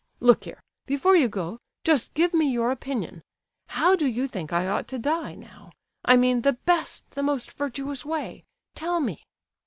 _ Look here—before you go, just give me your opinion: how do you think I ought to die, now? I mean—the best, the most virtuous way? Tell me!"